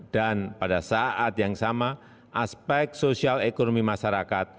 dan pada saat yang sama aspek sosial ekonomi masyarakat